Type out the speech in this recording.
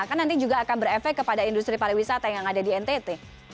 kan nanti juga akan berefek kepada industri pariwisata yang ada di ntt